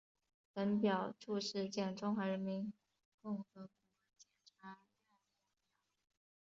本表注释见中华人民共和国检察院列表。